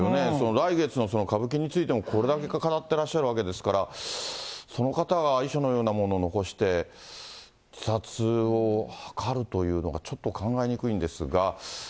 来月の歌舞伎についてもこれだけ語ってらっしゃるわけですから、その方が遺書のようなものを残して自殺を図るというのがちょっと考えにくいんですが。